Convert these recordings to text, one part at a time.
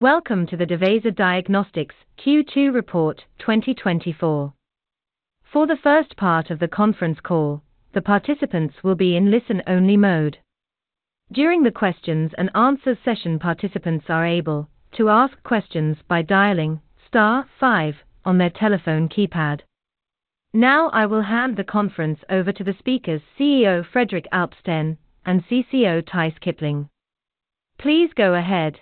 Welcome to the Devyser Diagnostics Q2 Report 2024. For the first part of the conference call, the participants will be in listen-only mode. During the Q&A session, participants are able to ask questions by dialing *5 on their telephone keypad. Now I will hand the conference over to the speakers, CEO Fredrik Alpsten and CCO Theis Kipping. Please go ahead.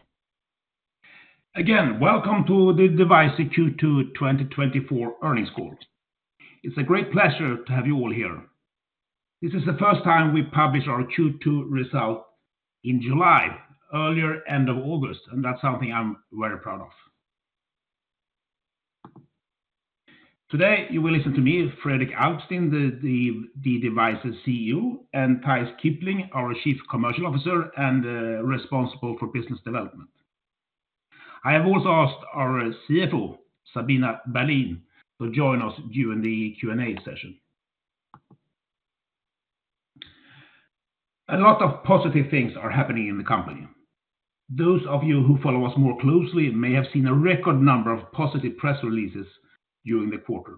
Again, welcome to the Devyser Q2 2024 earnings call. It's a great pleasure to have you all here. This is the first time we publish our Q2 result in July, earlier end of August, and that's something I'm very proud of. Today you will listen to me, Fredrik Alpsten, the Devyser CEO, and Theis Kipling, our Chief Commercial Officer and responsible for business development. I have also asked our CFO, Sabina Berlin, to join us during the Q&A session. A lot of positive things are happening in the company. Those of you who follow us more closely may have seen a record number of positive press releases during the quarter.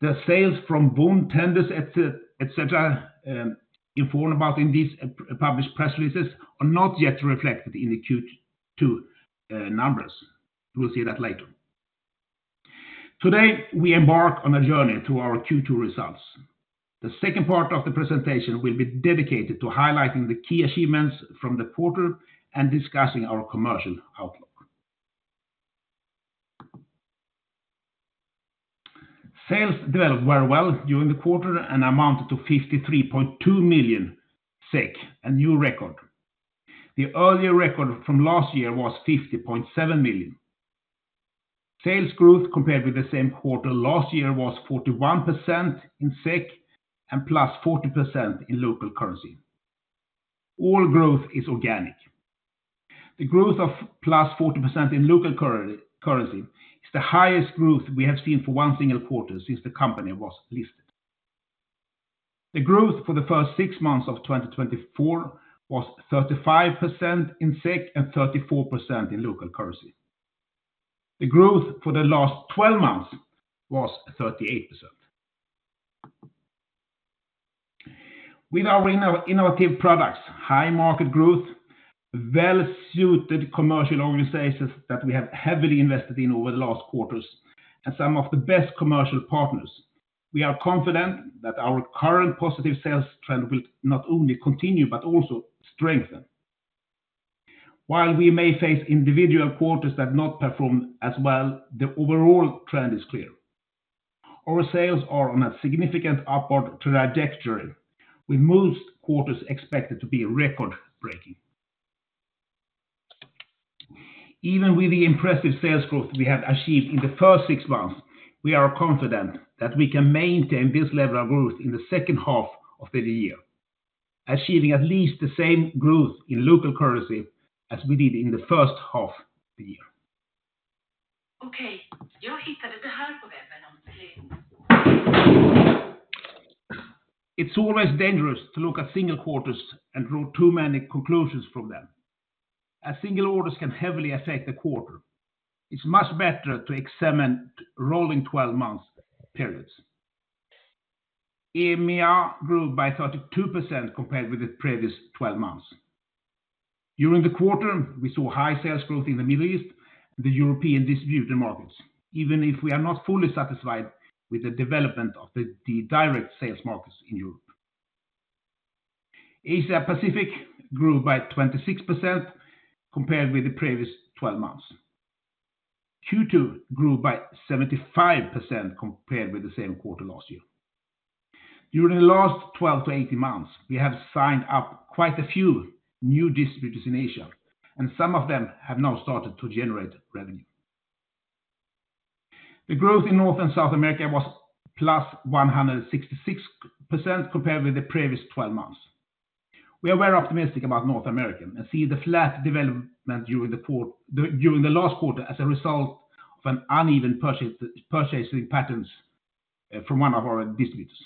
The sales from won tenders, etc. informed about in these published press releases are not yet reflected in the Q2 numbers. We'll see that later. Today we embark on a journey through our Q2 results. The second part of the presentation will be dedicated to highlighting the key achievements from the quarter and discussing our commercial outlook. Sales developed very well during the quarter and amounted to 53.2 million SEK, a new record. The earlier record from last year was 50.7 million. Sales growth compared with the same quarter last year was 41% in SEK and +40% in local currency. All growth is organic. The growth of +40% in local currency is the highest growth we have seen for one single quarter since the company was listed. The growth for the first six months of 2024 was 35% in SEK and 34% in local currency. The growth for the last 12 months was 38%. With our innovative products, high market growth, well-suited commercial organizations that we have heavily invested in over the last quarters, and some of the best commercial partners, we are confident that our current positive sales trend will not only continue but also strengthen. While we may face individual quarters that not perform as well, the overall trend is clear. Our sales are on a significant upward trajectory, with most quarters expected to be record-breaking. Even with the impressive sales growth we have achieved in the first six months, we are confident that we can maintain this level of growth in the second half of the year, achieving at least the same growth in local currency as we did in the first half of the year. Okej, jag hittade det här på webben om det. It's always dangerous to look at single quarters and draw too many conclusions from them. As single orders can heavily affect the quarter, it's much better to examine rolling 12-month periods. EMEA grew by 32% compared with the previous 12 months. During the quarter, we saw high sales growth in the Middle East and the European distributor markets, even if we are not fully satisfied with the development of the direct sales markets in Europe. Asia-Pacific grew by 26% compared with the previous 12 months. Q2 grew by 75% compared with the same quarter last year. During the last 12 to 18 months, we have signed up quite a few new distributors in Asia, and some of them have now started to generate revenue. The growth in North and South America was +166% compared with the previous 12 months. We are very optimistic about North America and see the flat development during the last quarter as a result of uneven purchasing patterns from one of our distributors.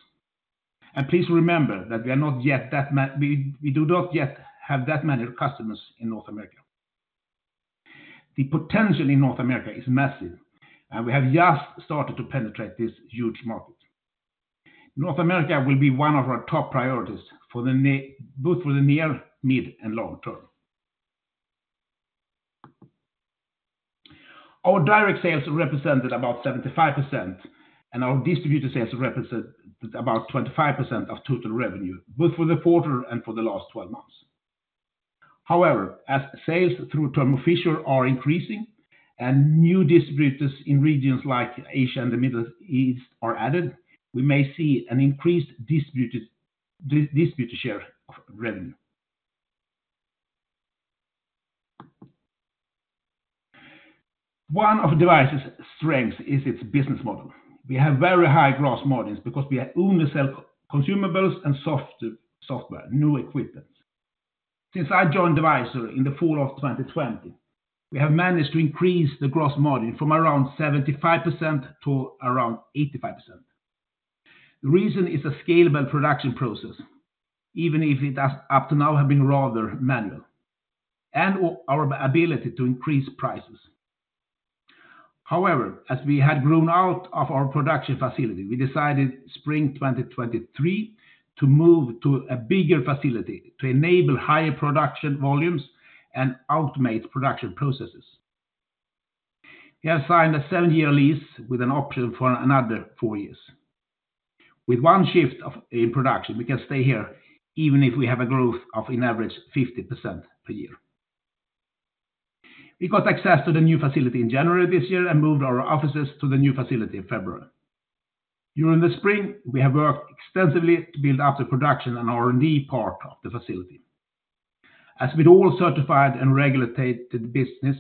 Please remember that we do not yet have that many customers in North America. The potential in North America is massive, and we have just started to penetrate this huge market. North America will be one of our top priorities both for the near, mid, and long term. Our direct sales represented about 75%, and our distributor sales represented about 25% of total revenue, both for the quarter and for the last 12 months. However, as sales through Thermo Fisher are increasing and new distributors in regions like Asia and the Middle East are added, we may see an increased distributor share of revenue. One of Devyser's strengths is its business model. We have very high gross margins because we only sell consumables and software, no equipment. Since I joined Devyser in the fall of 2020, we have managed to increase the gross margin from around 75% to around 85%. The reason is a scalable production process, even if it has up to now been rather manual, and our ability to increase prices. However, as we had grown out of our production facility, we decided spring 2023 to move to a bigger facility to enable higher production volumes and automate production processes. We have signed a 7-year lease with an option for another 4 years. With one shift in production, we can stay here even if we have a growth of an average 50% per year. We got access to the new facility in January this year and moved our offices to the new facility in February. During the spring, we have worked extensively to build up the production and R&D part of the facility. As with all certified and regulated business,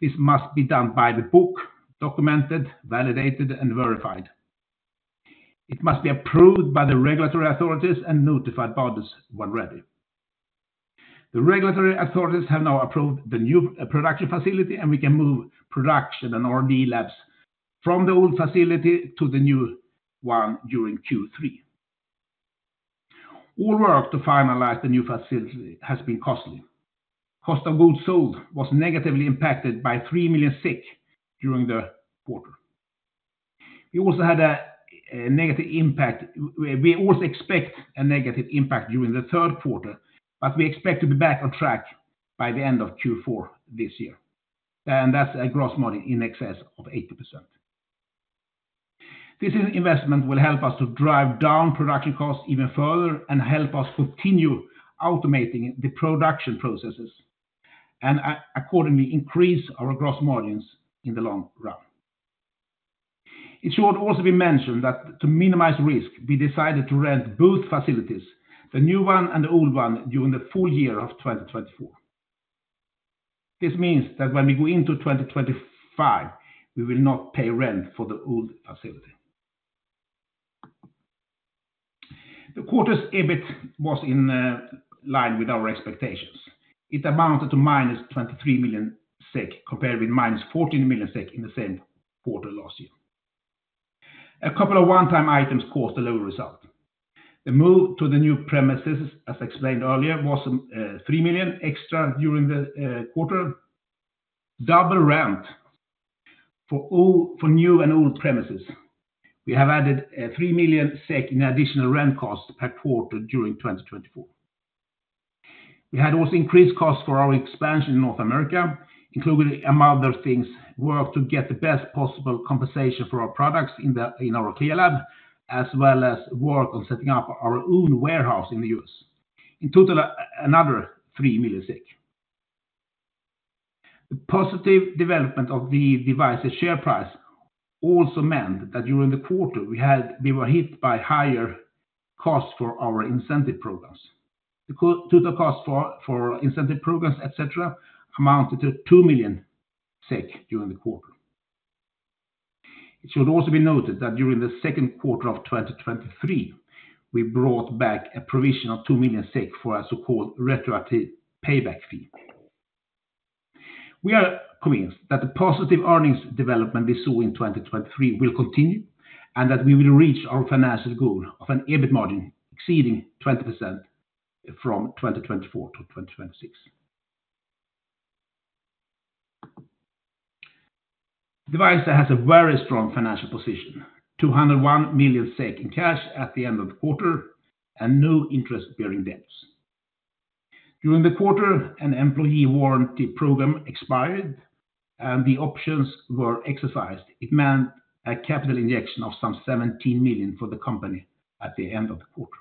this must be done by the book, documented, validated, and verified. It must be approved by the regulatory authorities and notified bodies when ready. The regulatory authorities have now approved the new production facility, and we can move production and R&D labs from the old facility to the new one during Q3. All work to finalize the new facility has been costly. Cost of goods sold was negatively impacted by 3 million during the quarter. We also had a negative impact. We also expect a negative impact during the third quarter, but we expect to be back on track by the end of Q4 this year. That's a gross margin in excess of 80%. This investment will help us to drive down production costs even further and help us continue automating the production processes and accordingly increase our gross margins in the long run. It should also be mentioned that to minimize risk, we decided to rent both facilities, the new one and the old one, during the full year of 2024. This means that when we go into 2025, we will not pay rent for the old facility. The quarter's EBIT was in line with our expectations. It amounted to -23 million SEK compared with -14 million SEK in the same quarter last year. A couple of one-time items caused a low result. The move to the new premises, as explained earlier, was 3 million extra during the quarter. Double rent for new and old premises. We have added 3 million SEK in additional rent costs per quarter during 2024. We had also increased costs for our expansion in North America, including among other things, work to get the best possible compensation for our products in our CLIA lab, as well as work on setting up our own warehouse in the U.S. In total, another 3 million. The positive development of the Devyser share price also meant that during the quarter, we were hit by higher costs for our incentive programs. The total cost for incentive programs, etc., amounted to 2 million SEK during the quarter. It should also be noted that during the second quarter of 2023, we brought back a provision of 2 million SEK for a so-called retroactive payback fee. We are convinced that the positive earnings development we saw in 2023 will continue and that we will reach our financial goal of an EBIT margin exceeding 20% from 2024 to 2026. Devyser has a very strong financial position: 201 million SEK in cash at the end of the quarter and no interest-bearing debts. During the quarter, an employee warrant program expired, and the options were exercised. It meant a capital injection of some 17 million for the company at the end of the quarter.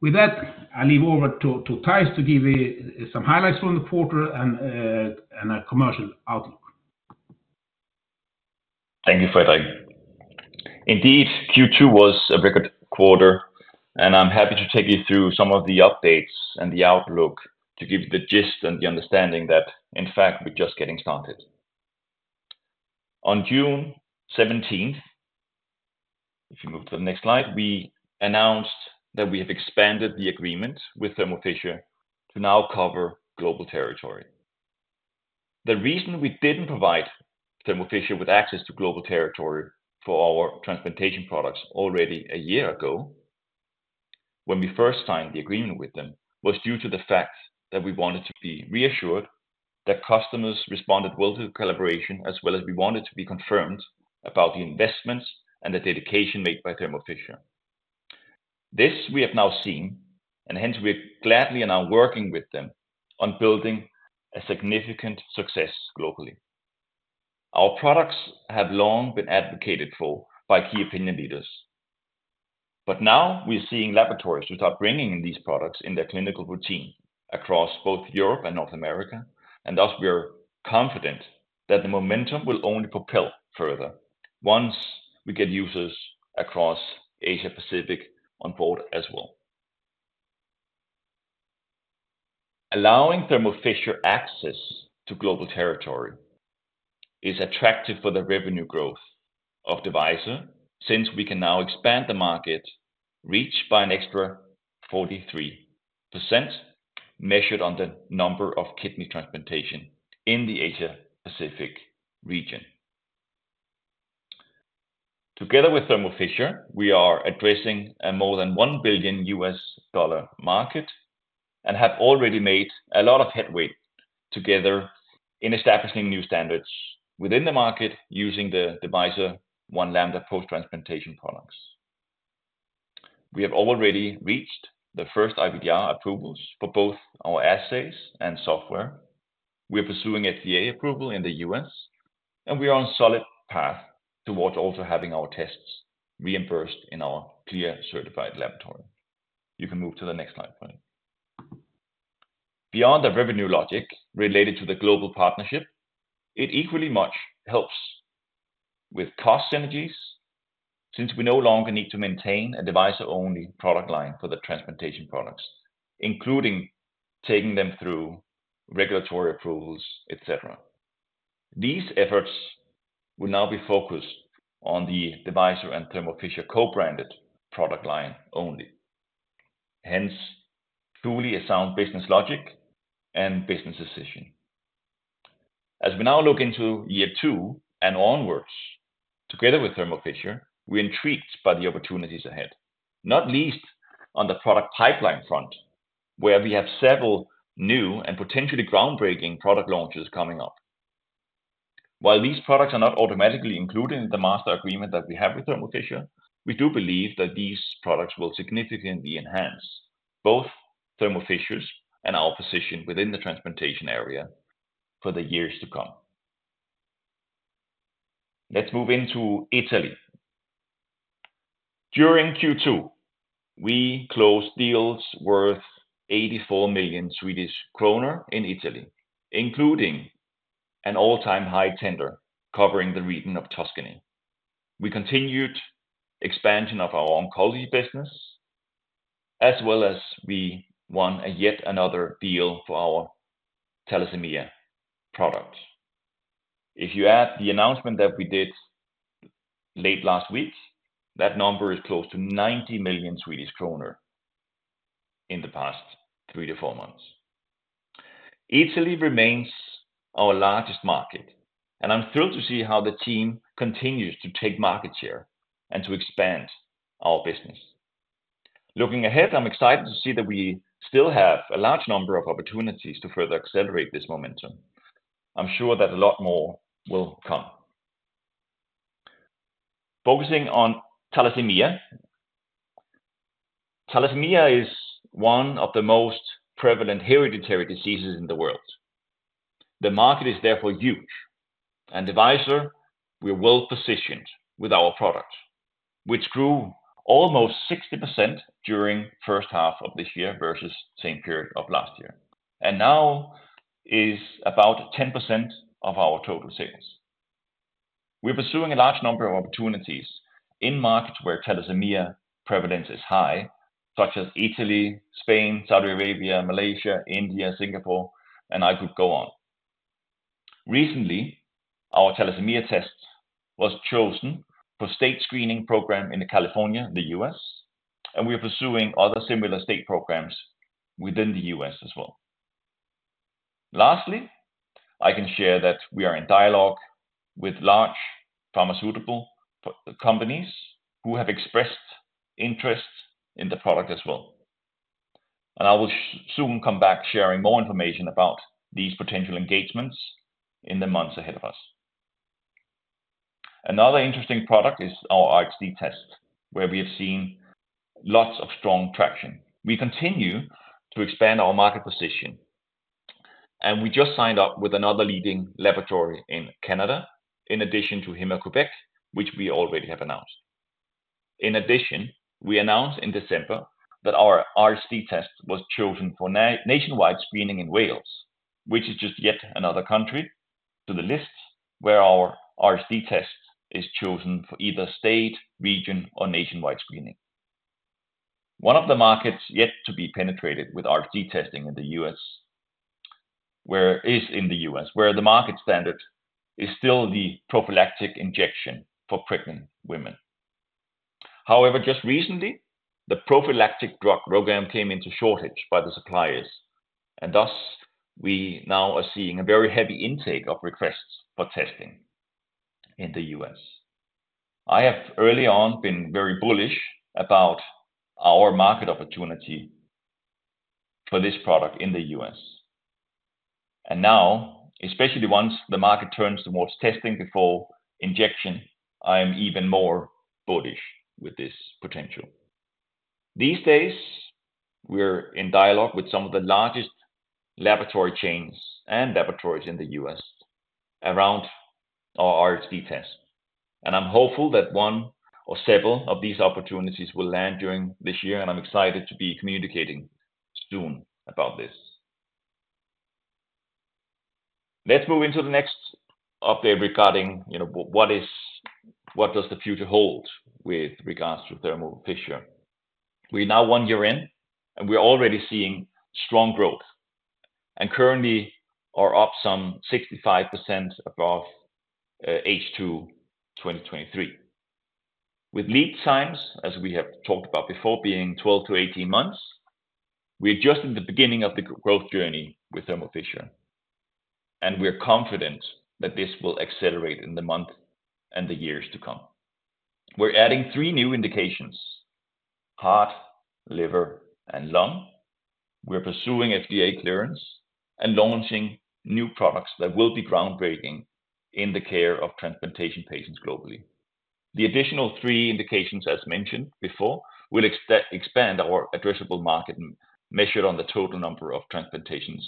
With that, I leave over to Theis to give you some highlights from the quarter and a commercial outlook. Thank you, Fredrik. Indeed, Q2 was a record quarter, and I'm happy to take you through some of the updates and the outlook to give the gist and the understanding that, in fact, we're just getting started. On June 17, if you move to the next slide, we announced that we have expanded the agreement with Thermo Fisher to now cover global territory. The reason we didn't provide Thermo Fisher with access to global territory for our transplantation products already a year ago when we first signed the agreement with them was due to the fact that we wanted to be reassured that customers responded well to the collaboration, as well as we wanted to be confirmed about the investments and the dedication made by Thermo Fisher. This we have now seen, and hence we're gladly now working with them on building a significant success globally. Our products have long been advocated for by key opinion leaders, but now we're seeing laboratories start bringing in these products in their clinical routine across both Europe and North America, and thus we are confident that the momentum will only propel further once we get users across Asia-Pacific on board as well. Allowing Thermo Fisher access to global territory is attractive for the revenue growth of Devyser since we can now expand the market reach by an extra 43% measured on the number of kidney transplantations in the Asia-Pacific region. Together with Thermo Fisher, we are addressing a more than $1 billion market and have already made a lot of headway together in establishing new standards within the market using the Devyser One Lambda post-transplantation products. We have already reached the first IVDR approvals for both our assays and software. We are pursuing FDA approval in the U.S., and we are on a solid path towards also having our tests reimbursed in our CLIA-certified laboratory. You can move to the next slide, Fredrik. Beyond the revenue logic related to the global partnership, it equally much helps with cost synergies since we no longer need to maintain a Devyser-only product line for the transplantation products, including taking them through regulatory approvals, etc. These efforts will now be focused on the Devyser and Thermo Fisher co-branded product line only. Hence, truly a sound business logic and business decision. As we now look into year two and onwards, together with Thermo Fisher, we are intrigued by the opportunities ahead, not least on the product pipeline front, where we have several new and potentially groundbreaking product launches coming up. While these products are not automatically included in the master agreement that we have with Thermo Fisher, we do believe that these products will significantly enhance both Thermo Fisher's and our position within the transplantation area for the years to come. Let's move into Italy. During Q2, we closed deals worth 84 million Swedish kronor in Italy, including an all-time high tender covering the region of Tuscany. We continued expansion of our oncology business, as well as we won yet another deal for our thalassemia product. If you add the announcement that we did late last week, that number is close to 90 million Swedish kronor in the past three to four months. Italy remains our largest market, and I'm thrilled to see how the team continues to take market share and to expand our business. Looking ahead, I'm excited to see that we still have a large number of opportunities to further accelerate this momentum. I'm sure that a lot more will come. Focusing on thalassemia, thalassemia is one of the most prevalent hereditary diseases in the world. The market is therefore huge, and Devyser, we are well positioned with our product, which grew almost 60% during the first half of this year versus the same period of last year, and now is about 10% of our total sales. We're pursuing a large number of opportunities in markets where thalassemia prevalence is high, such as Italy, Spain, Saudi Arabia, Malaysia, India, Singapore, and I could go on. Recently, our thalassemia test was chosen for a state screening program in California and the U.S., and we are pursuing other similar state programs within the U.S. as well. Lastly, I can share that we are in dialogue with large pharmaceutical companies who have expressed interest in the product as well. I will soon come back sharing more information about these potential engagements in the months ahead of us. Another interesting product is our RHD test, where we have seen lots of strong traction. We continue to expand our market position, and we just signed up with another leading laboratory in Canada in addition to Héma-Québec, which we already have announced. In addition, we announced in December that our RHD test was chosen for nationwide screening in Wales, which is just yet another country to the list where our RHD test is chosen for either state, region, or nationwide screening. One of the markets yet to be penetrated with RHD testing in the U.S. is in the U.S., where the market standard is still the prophylactic injection for pregnant women. However, just recently, the prophylactic drug program came into shortage by the suppliers, and thus we now are seeing a very heavy intake of requests for testing in the U.S. I have early on been very bullish about our market opportunity for this product in the U.S. And now, especially once the market turns towards testing before injection, I am even more bullish with this potential. These days, we're in dialogue with some of the largest laboratory chains and laboratories in the U.S. around our RHD test. And I'm hopeful that one or several of these opportunities will land during this year, and I'm excited to be communicating soon about this. Let's move into the next update regarding what does the future hold with regards to Thermo Fisher. We're now one year in, and we're already seeing strong growth. Currently, we are up some 65% above H2 2023. With lead times, as we have talked about before, being 12-18 months, we're just at the beginning of the growth journey with Thermo Fisher, and we're confident that this will accelerate in the months and the years to come. We're adding three new indications: heart, liver, and lung. We're pursuing FDA clearance and launching new products that will be groundbreaking in the care of transplantation patients globally. The additional three indications, as mentioned before, will expand our addressable market measured on the total number of transplantations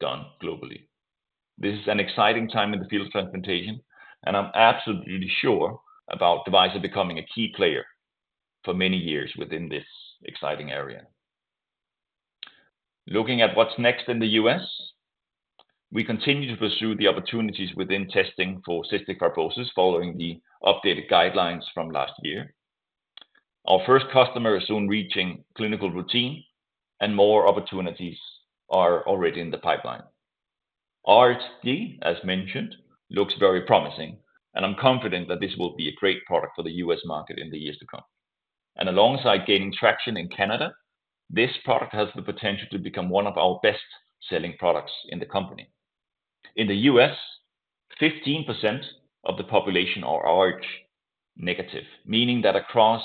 done globally. This is an exciting time in the field of transplantation, and I'm absolutely sure about Devyser becoming a key player for many years within this exciting area. Looking at what's next in the U.S., we continue to pursue the opportunities within testing for cystic fibrosis following the updated guidelines from last year. Our first customer is soon reaching clinical routine, and more opportunities are already in the pipeline. RHD, as mentioned, looks very promising, and I'm confident that this will be a great product for the U.S. market in the years to come. And alongside gaining traction in Canada, this product has the potential to become one of our best-selling products in the company. In the U.S., 15% of the population are Rh negative, meaning that across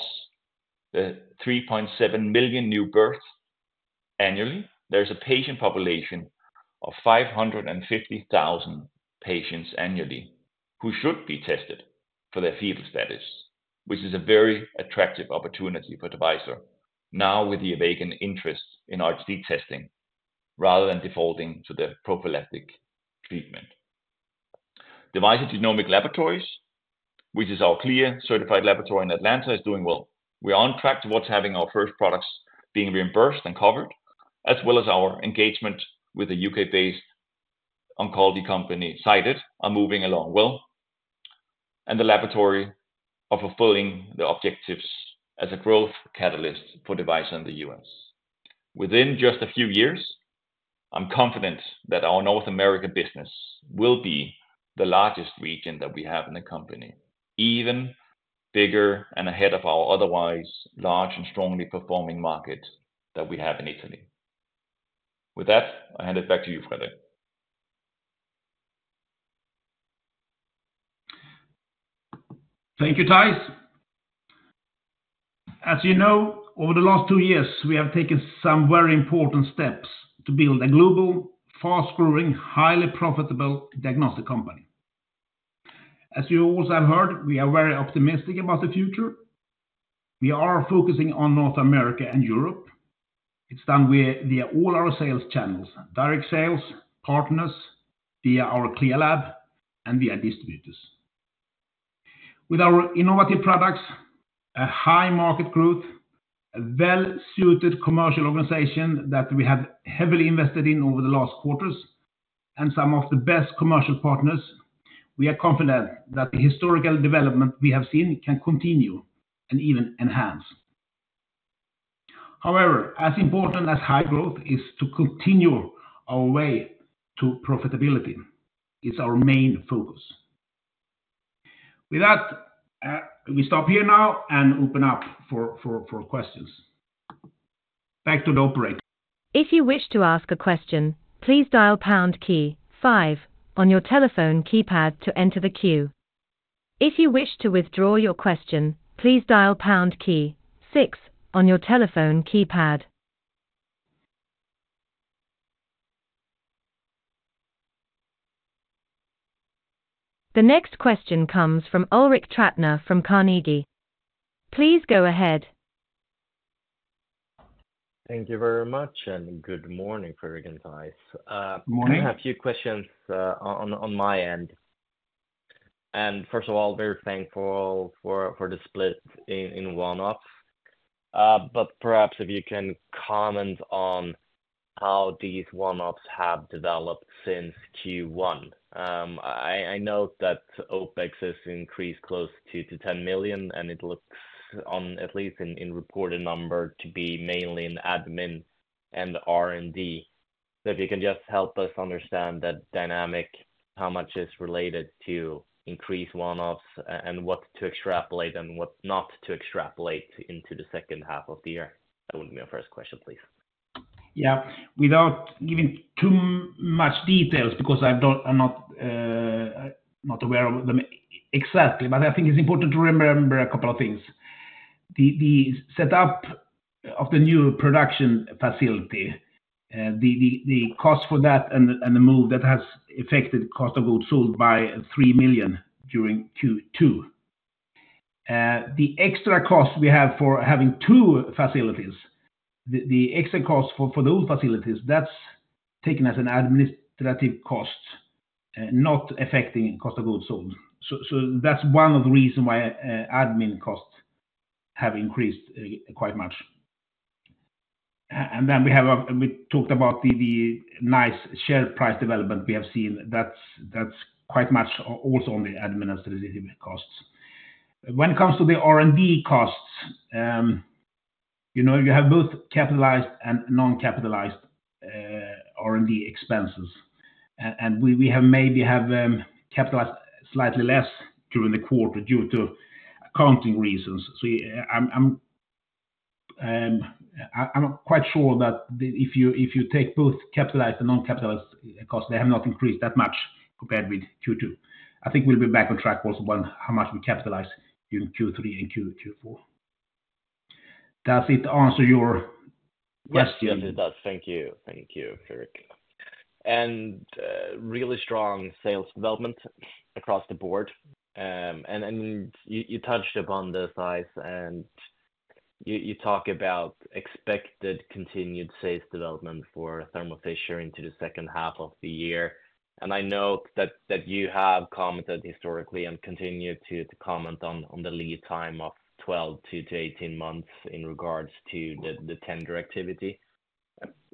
the 3.7 million new births annually, there's a patient population of 550,000 patients annually who should be tested for their fetal status, which is a very attractive opportunity for Devyser now with the awakened interest in RHD testing rather than defaulting to the prophylactic treatment. Devyser Genomic Laboratories, which is our CLIA-certified laboratory in Atlanta, is doing well. We're on track towards having our first products being reimbursed and covered, as well as our engagement with a UK-based oncology company Cyted are moving along well, and the laboratory is fulfilling the objectives as a growth catalyst for Devyser in the U.S. Within just a few years, I'm confident that our North American business will be the largest region that we have in the company, even bigger and ahead of our otherwise large and strongly performing market that we have in Italy. With that, I hand it back to you, Fredrik. Thank you, Theis. As you know, over the last two years, we have taken some very important steps to build a global, fast-growing, highly profitable diagnostic company. As you also have heard, we are very optimistic about the future. We are focusing on North America and Europe. It's done via all our sales channels: direct sales, partners, via our CLIA lab, and via distributors. With our innovative products, a high market growth, a well-suited commercial organization that we have heavily invested in over the last quarters, and some of the best commercial partners, we are confident that the historical development we have seen can continue and even enhance. However, as important as high growth is to continue our way to profitability, it's our main focus. With that, we stop here now and open up for questions. Back to the operator. If you wish to ask a question, please dial pound key five on your telephone keypad to enter the queue. If you wish to withdraw your question, please dial pound key six on your telephone keypad. The next question comes from Ulrik Trattner from Carnegie. Please go ahead. Thank you very much, and good morning, Fredrik and Theis. Good morning. I have a few questions on my end. First of all, very thankful for the split in one-offs, but perhaps if you can comment on how these one-offs have developed since Q1? I note that OPEX has increased close to 10 million, and it looks, at least in reported numbers, to be mainly in admin and R&D. If you can just help us understand that dynamic, how much is related to increased one-offs and what to extrapolate and what not to extrapolate into the second half of the year? That would be my first question, please. Yeah. Without giving too much details because I'm not aware of them exactly, but I think it's important to remember a couple of things. The setup of the new production facility, the cost for that and the move that has affected the cost of goods sold by 3 million during Q2. The extra cost we have for having two facilities, the extra cost for those facilities, that's taken as an administrative cost, not affecting the cost of goods sold. So that's one of the reasons why admin costs have increased quite much. And then we talked about the nice share price development we have seen. That's quite much also on the administrative costs. When it comes to the R&D costs, you have both capitalized and non-capitalized R&D expenses, and we maybe have capitalized slightly less during the quarter due to accounting reasons. I'm quite sure that if you take both capitalized and non-capitalized costs, they have not increased that much compared with Q2. I think we'll be back on track also on how much we capitalized during Q3 and Q4. Does it answer your question? It does. Thank you. Thank you, Fredrik. Really strong sales development across the board. You touched upon this, Theis, and you talk about expected continued sales development for Thermo Fisher into the second half of the year. I note that you have commented historically and continue to comment on the lead time of 12-18 months in regards to the tender activity.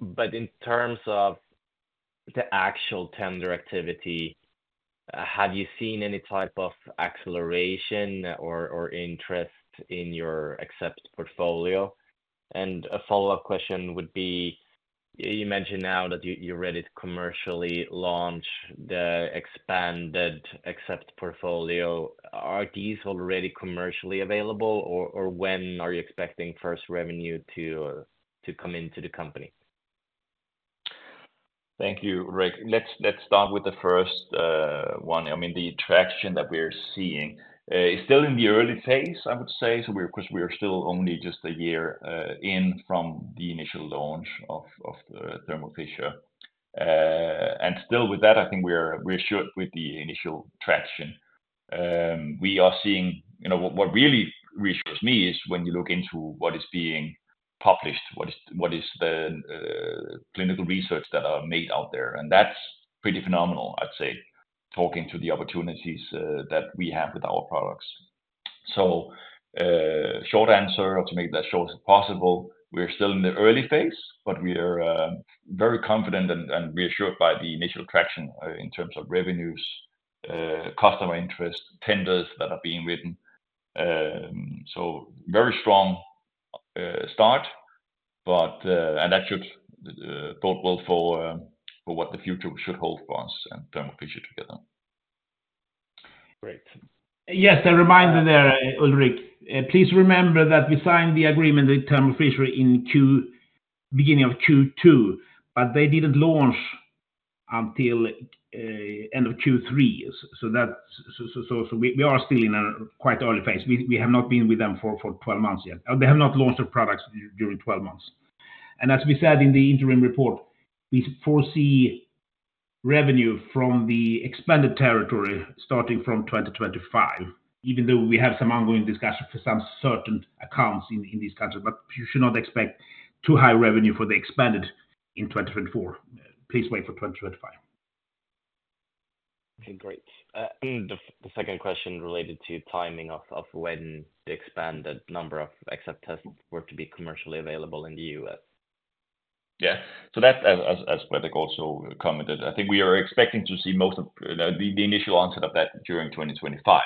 But in terms of the actual tender activity, have you seen any type of acceleration or interest in your Accept portfolio? A follow-up question would be, you mentioned now that you're ready to commercially launch the expanded Accept portfolio. Are these already commercially available, or when are you expecting first revenue to come into the company? Thank you, Ulrik. Let's start with the first one. I mean, the traction that we're seeing is still in the early phase, I would say. So of course, we are still only just a year in from the initial launch of Thermo Fisher. And still with that, I think we're shocked with the initial traction. We are seeing what really reassures me is when you look into what is being published, what is the clinical research that is made out there. And that's pretty phenomenal, I'd say, talking to the opportunities that we have with our products. So short answer, to make it as short as possible, we're still in the early phase, but we are very confident and reassured by the initial traction in terms of revenues, customer interest, tenders that are being written. So very strong start, and that should bode well for what the future should hold for us and Thermo Fisher together. Great. Yes, a reminder there, Ulrik. Please remember that we signed the agreement with Thermo Fisher in the beginning of Q2, but they didn't launch until the end of Q3. So we are still in a quite early phase. We have not been with them for 12 months yet. They have not launched their products during 12 months. And as we said in the interim report, we foresee revenue from the expanded territory starting from 2025, even though we have some ongoing discussion for some certain accounts in these countries. But you should not expect too high revenue for the expanded in 2024. Please wait for 2025. Okay, great. The second question related to timing of when the expanded number of Accept tests were to be commercially available in the U.S. Yeah. So that, as Fredrik also commented, I think we are expecting to see most of the initial onset of that during 2025.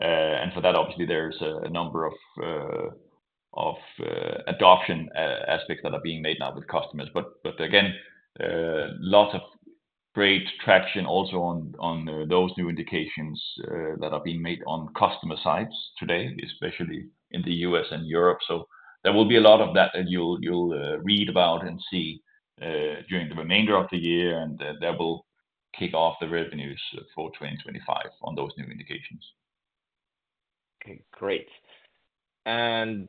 And for that, obviously, there's a number of adoption aspects that are being made now with customers. But again, lots of great traction also on those new indications that are being made on customer sites today, especially in the U.S. and Europe. So there will be a lot of that that you'll read about and see during the remainder of the year, and that will kick off the revenues for 2025 on those new indications. Okay, great. And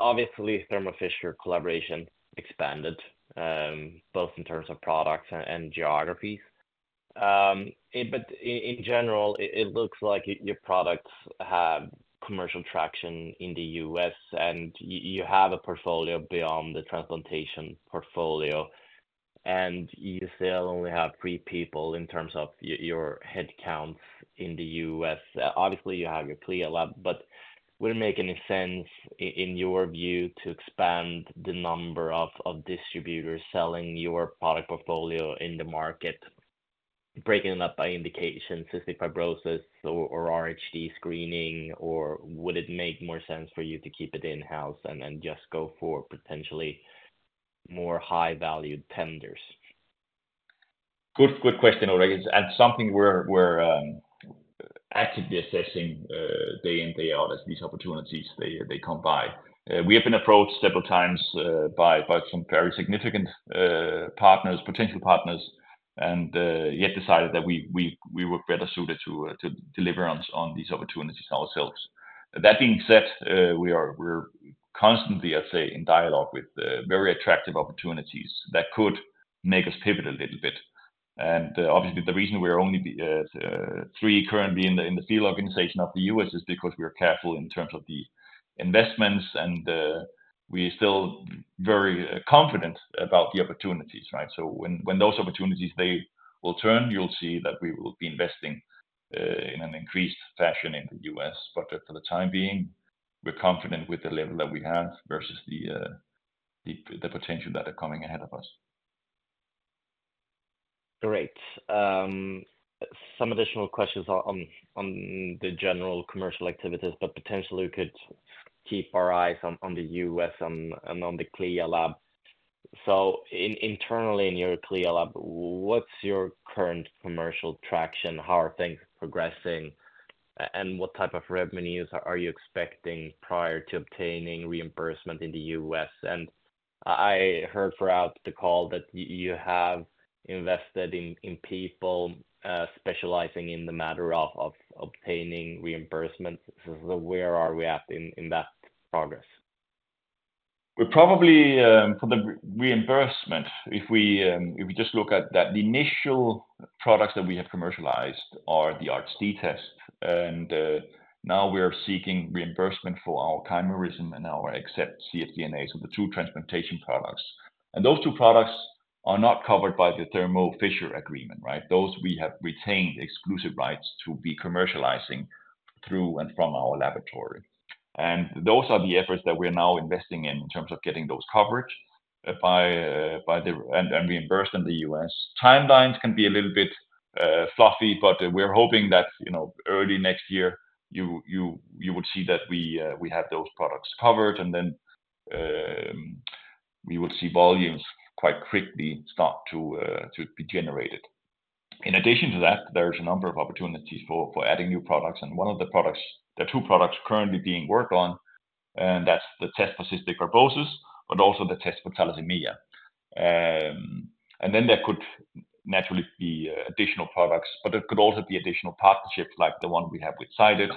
obviously, Thermo Fisher collaboration expanded both in terms of products and geographies. But in general, it looks like your products have commercial traction in the U.S., and you have a portfolio beyond the transplantation portfolio. And you still only have three people in terms of your headcounts in the U.S. Obviously, you have your CLIA lab, but would it make any sense in your view to expand the number of distributors selling your product portfolio in the market, breaking it up by indication, cystic fibrosis or RHD screening, or would it make more sense for you to keep it in-house and just go for potentially more high-valued tenders? Good question, Ulrik. And something we're actively assessing day in, day out as these opportunities come by. We have been approached several times by some very significant partners, potential partners, and yet decided that we were better suited to deliver on these opportunities ourselves. That being said, we're constantly, I'd say, in dialogue with very attractive opportunities that could make us pivot a little bit. And obviously, the reason we're only three currently in the field organization of the U.S. is because we're careful in terms of the investments, and we're still very confident about the opportunities, right? So when those opportunities, they will turn, you'll see that we will be investing in an increased fashion in the U.S. But for the time being, we're confident with the level that we have versus the potential that are coming ahead of us. Great. Some additional questions on the general commercial activities, but potentially we could keep our eyes on the U.S. and on the CLIA lab. So internally in your CLIA lab, what's your current commercial traction? How are things progressing? And what type of revenues are you expecting prior to obtaining reimbursement in the U.S.? And I heard throughout the call that you have invested in people specializing in the matter of obtaining reimbursements. So where are we at in that progress? We're probably for the reimbursement, if we just look at that, the initial products that we have commercialized are the RHD tests. And now we're seeking reimbursement for our chimerism and our Accept cfDNAs, so the two transplantation products. And those two products are not covered by the Thermo Fisher agreement, right? Those we have retained exclusive rights to be commercializing through and from our laboratory. And those are the efforts that we're now investing in in terms of getting those covered and reimbursed in the U.S. Timelines can be a little bit fluffy, but we're hoping that early next year, you would see that we have those products covered, and then we would see volumes quite quickly start to be generated. In addition to that, there's a number of opportunities for adding new products. One of the products, there are two products currently being worked on, and that's the test for cystic fibrosis, but also the test for thalassemia. Then there could naturally be additional products, but there could also be additional partnerships like the one we have with Cyted,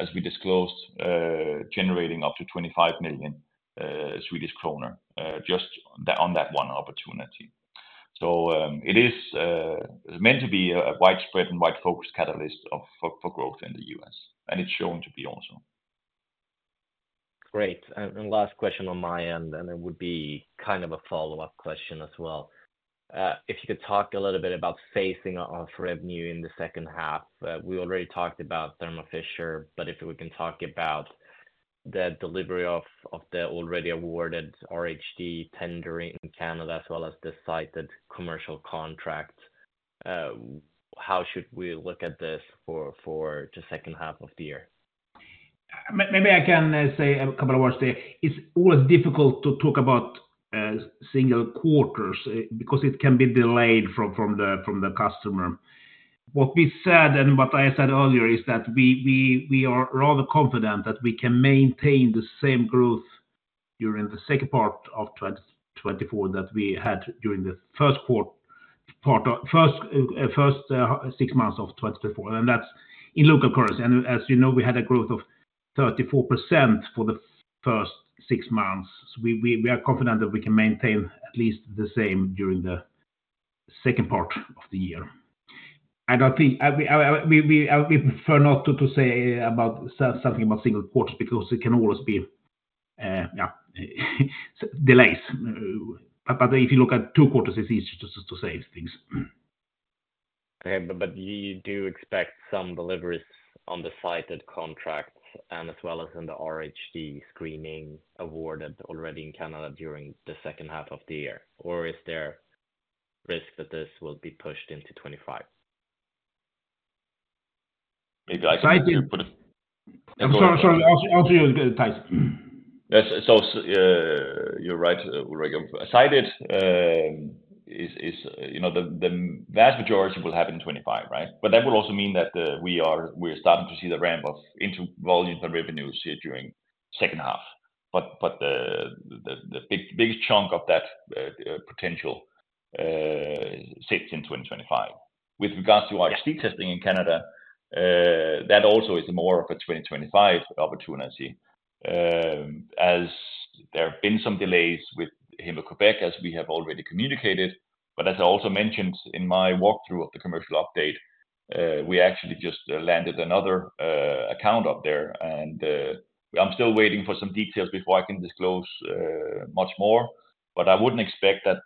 as we disclosed, generating up to 25 million Swedish kronor just on that one opportunity. It is meant to be a widespread and wide-focused catalyst for growth in the U.S., and it's shown to be also. Great. And last question on my end, and it would be kind of a follow-up question as well. If you could talk a little bit about phasing of revenue in the second half. We already talked about Thermo Fisher, but if we can talk about the delivery of the already awarded RHD tender in Canada as well as the Cyted commercial contract, how should we look at this for the second half of the year? Maybe I can say a couple of words there. It's always difficult to talk about single quarters because it can be delayed from the customer. What we said and what I said earlier is that we are rather confident that we can maintain the same growth during the second part of 2024 that we had during the first six months of 2024. And that's in local currency. And as you know, we had a growth of 34% for the first six months. So we are confident that we can maintain at least the same during the second part of the year. And I think we prefer not to say something about single quarters because it can always be, yeah, delays. But if you look at two quarters, it's easier to say these things. Okay. You do expect some deliveries on the Cyted contracts and as well as in the RHD screening awarded already in Canada during the second half of the year. Or is there risk that this will be pushed into 2025? I'm sorry. I'll say it, Theis. So you're right, Ulrik. So, the vast majority will happen in 2025, right? But that will also mean that we are starting to see the ramp of into volumes and revenues here during the second half. But the biggest chunk of that potential sits in 2025. With regards to RHD testing in Canada, that also is more of a 2025 opportunity. As there have been some delays with Héma-Québec, as we have already communicated, but as I also mentioned in my walkthrough of the commercial update, we actually just landed another account up there. And I'm still waiting for some details before I can disclose much more, but I wouldn't expect that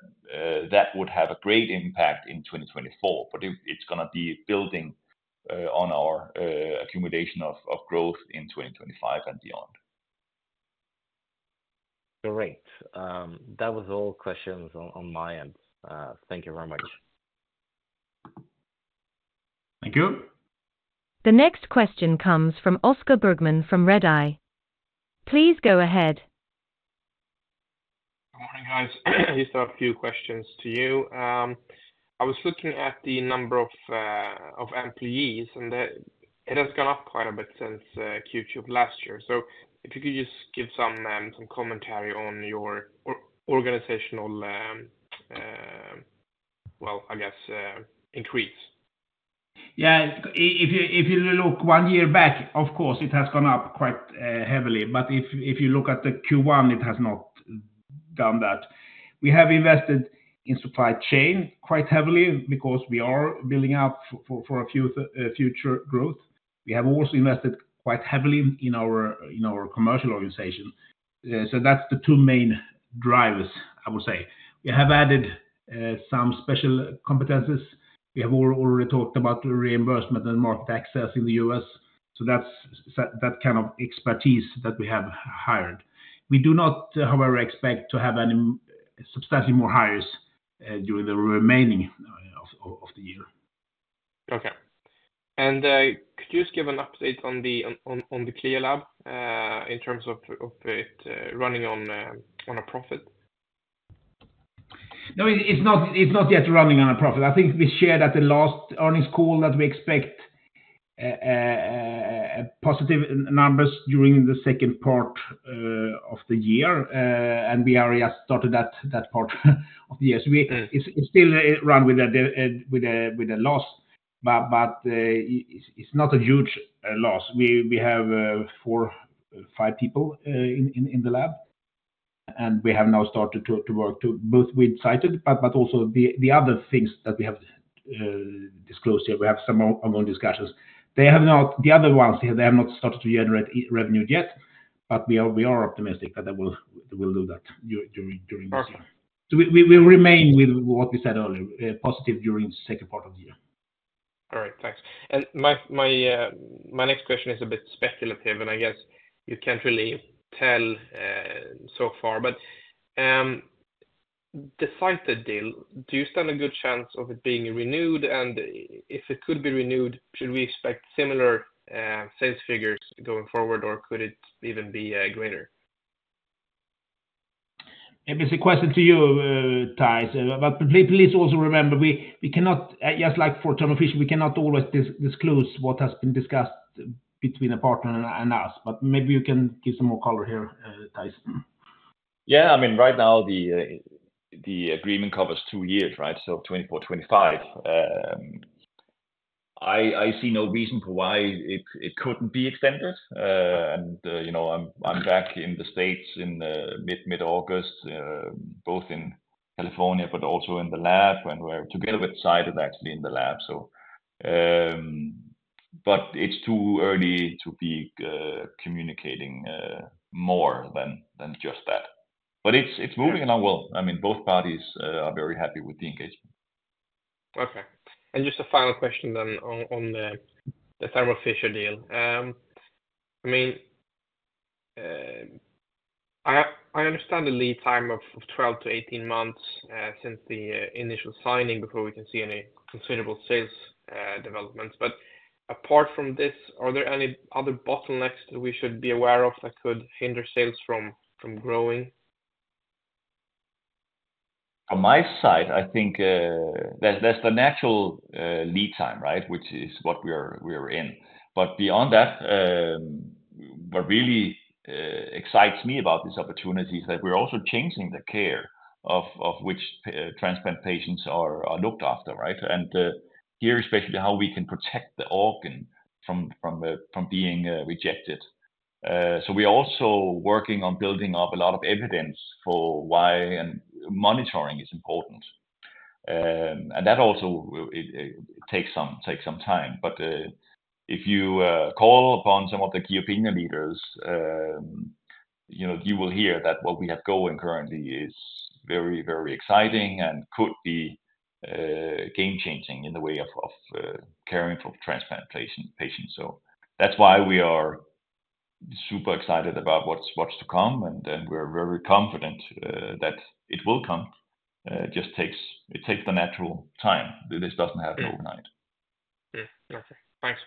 that would have a great impact in 2024. But it's going to be building on our accumulation of growth in 2025 and beyond. Great. That was all questions on my end. Thank you very much. Thank you. The next question comes from Oscar Bergman from Redeye. Please go ahead. Good morning, guys. I just have a few questions to you. I was looking at the number of employees, and it has gone up quite a bit since Q2 of last year. So if you could just give some commentary on your organizational, well, I guess, increase. Yeah. If you look one year back, of course, it has gone up quite heavily. But if you look at the Q1, it has not done that. We have invested in supply chain quite heavily because we are building up for future growth. We have also invested quite heavily in our commercial organization. So that's the two main drivers, I would say. We have added some special competencies. We have already talked about reimbursement and market access in the U.S. So that's that kind of expertise that we have hired. We do not, however, expect to have any substantially more hires during the remaining of the year. Okay. Could you just give an update on the CLIA lab in terms of it running on a profit? No, it's not yet running on a profit. I think we shared at the last earnings call that we expect positive numbers during the second part of the year, and we have started that part of the year. So it's still run with a loss, but it's not a huge loss. We have 4, 5 people in the lab, and we have now started to work both with Cyted, but also the other things that we have disclosed here. We have some ongoing discussions. The other ones, they have not started to generate revenue yet, but we are optimistic that they will do that during this year. So we remain with what we said earlier, positive during the second part of the year. All right. Thanks. My next question is a bit speculative, and I guess you can't really tell so far. The Cyted deal, do you stand a good chance of it being renewed? And if it could be renewed, should we expect similar sales figures going forward, or could it even be greater? Maybe it's a question to you, Theis. But please also remember, just like for Thermo Fisher, we cannot always disclose what has been discussed between a partner and us. But maybe you can give some more color here, Theis. Yeah. I mean, right now, the agreement covers two years, right? So 2024, 2025. I see no reason for why it couldn't be extended. And I'm back in the States in mid-August, both in California, but also in the lab, and we're together with Cyted, actually, in the lab. But it's too early to be communicating more than just that. But it's moving along well. I mean, both parties are very happy with the engagement. Okay. Just a final question then on the Thermo Fisher deal. I mean, I understand the lead time of 12-18 months since the initial signing before we can see any considerable sales developments. Apart from this, are there any other bottlenecks that we should be aware of that could hinder sales from growing? On my side, I think that's the natural lead time, right, which is what we're in. But beyond that, what really excites me about this opportunity is that we're also changing the care of which transplant patients are looked after, right? And here, especially how we can protect the organ from being rejected. So we're also working on building up a lot of evidence for why monitoring is important. And that also takes some time. But if you call upon some of the key opinion leaders, you will hear that what we have going currently is very, very exciting and could be game-changing in the way of caring for transplant patients. So that's why we are super excited about what's to come, and we're very confident that it will come. It just takes the natural time. This doesn't happen overnight. Okay. Thanks.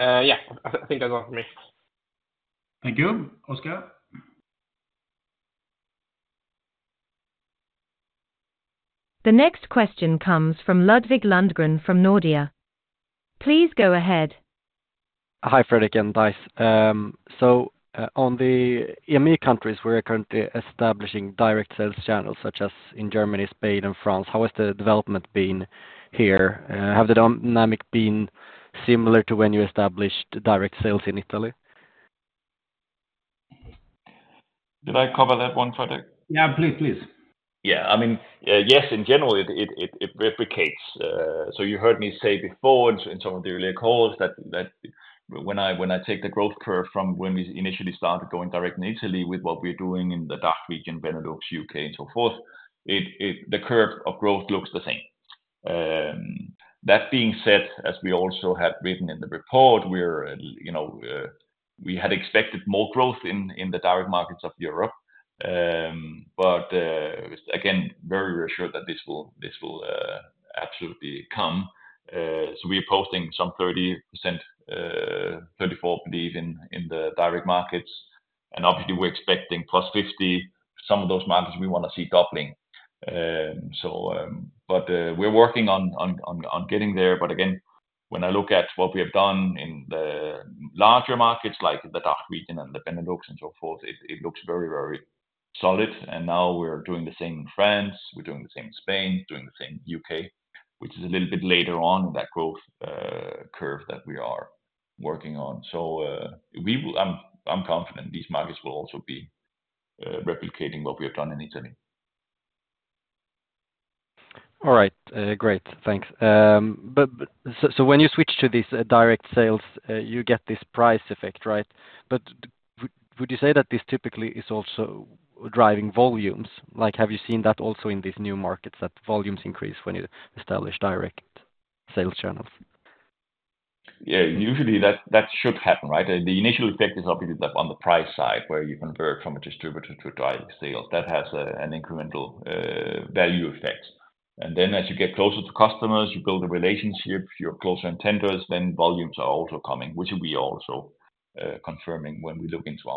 Yeah. I think that's all from me. Thank you, Oscar. The next question comes from Ludwig Landgren from Nordea. Please go ahead. Hi, Fredrik and Theis. On the EMEA countries, we're currently establishing direct sales channels such as in Germany, Spain, and France. How has the development been here? Have the dynamics been similar to when you established direct sales in Italy? Did I cover that one, Fredrik? Yeah, please, please. Yeah. I mean, yes, in general, it replicates. So you heard me say before in some of the earlier calls that when I take the growth curve from when we initially started going direct in Italy with what we're doing in the DACH region, Benelux, UK, and so forth, the curve of growth looks the same. That being said, as we also had written in the report, we had expected more growth in the direct markets of Europe. But again, very, very sure that this will absolutely come. So we are posting some 30%-34%, I believe, in the direct markets. And obviously, we're expecting +50%. Some of those markets, we want to see doubling. But we're working on getting there. But again, when I look at what we have done in the larger markets, like the DACH region and the Benelux and so forth, it looks very, very solid. And now we're doing the same in France. We're doing the same in Spain, doing the same in the UK, which is a little bit later on in that growth curve that we are working on. So I'm confident these markets will also be replicating what we have done in Italy. All right. Great. Thanks. So when you switch to these direct sales, you get this price effect, right? But would you say that this typically is also driving volumes? Have you seen that also in these new markets, that volumes increase when you establish direct sales channels? Yeah. Usually, that should happen, right? The initial effect is obviously on the price side where you convert from a distributor to direct sales. That has an incremental value effect. And then as you get closer to customers, you build a relationship, you're closer in tenders, then volumes are also coming, which we are also confirming when we look into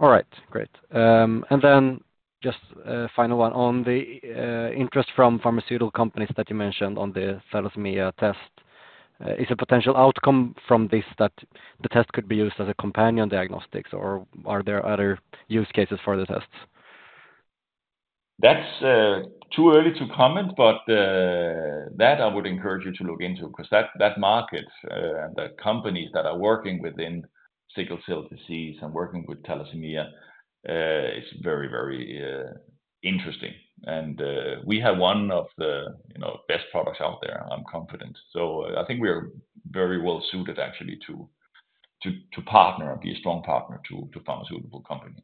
our numbers. All right. Great. And then just a final one on the interest from pharmaceutical companies that you mentioned on the thalassemia test. Is a potential outcome from this that the test could be used as a companion diagnostics, or are there other use cases for the tests? That's too early to comment, but that I would encourage you to look into because that market and the companies that are working within sickle cell disease and working with thalassemia is very, very interesting. We have one of the best products out there, I'm confident. I think we are very well suited, actually, to partner and be a strong partner to pharmaceutical companies.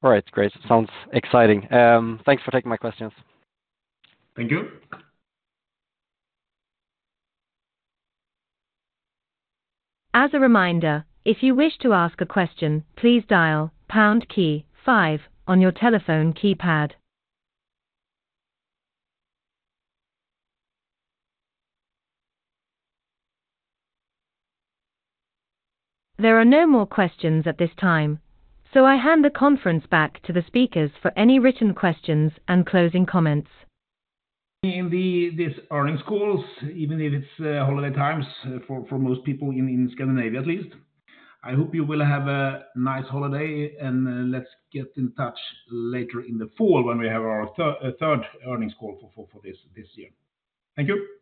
All right. Great. Sounds exciting. Thanks for taking my questions. Thank you. As a reminder, if you wish to ask a question, please dial pound key five on your telephone keypad. There are no more questions at this time, so I hand the conference back to the speakers for any written questions and closing comments. In these earnings calls, even if it's holiday times for most people in Scandinavia, at least. I hope you will have a nice holiday, and let's get in touch later in the fall when we have our third earnings call for this year. Thank you.